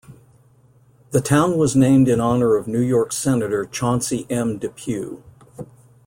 The town was named in honor of New York Senator Chauncy M Depew.